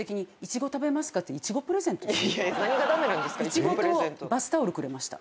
イチゴとバスタオルくれました。